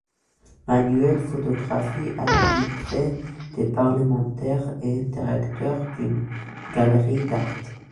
Manuel photographe attitré des parlementaires et directeur d'une galerie d'art.